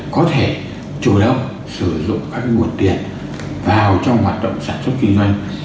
có thể chủ động sử dụng các nguồn tiền vào trong hoạt động sản xuất kinh doanh